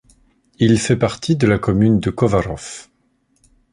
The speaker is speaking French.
Il fait partie de la commune de Kovářov.